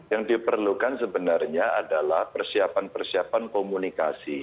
yang diperlukan sebenarnya adalah persiapan persiapan komunikasi